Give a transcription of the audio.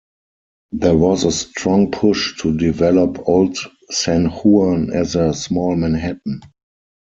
There was a strong push to develop Old San Juan as a "small Manhattan".